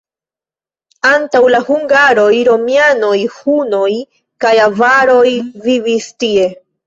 Antaŭ la hungaroj romianoj, hunoj kaj avaroj vivis tie.